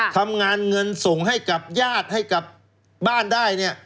ทำงานเงินส่งให้กับญาติให้กับบ้านได้เนี่ย